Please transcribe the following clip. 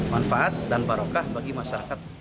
manfaat dan barokah bagi masyarakat